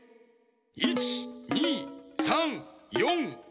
１２３４５６。